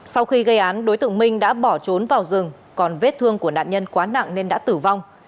sau khi gây án đối tượng minh đã bỏ trốn vào rừng còn vết thương của nạn nhân quá nặng nên đã tử vong